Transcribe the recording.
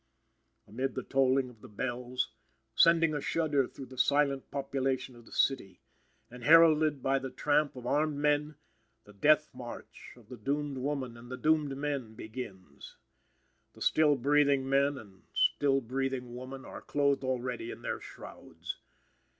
Amid the tolling of the bells, sending a shudder through the silent population of the city, and heralded by the tramp of armed men, the death march of the doomed woman and the doomed men begins. The still breathing men and still breathing woman are clothed already in their shrouds.